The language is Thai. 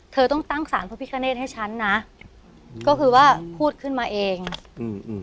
เธอต้องตั้งสารพระพิคเนตให้ฉันนะก็คือว่าพูดขึ้นมาเองอืม